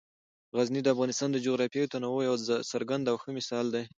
غزني د افغانستان د جغرافیوي تنوع یو څرګند او ښه مثال دی.